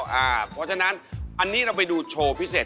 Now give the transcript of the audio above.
เพราะฉะนั้นอันนี้เราไปดูโชว์พิเศษ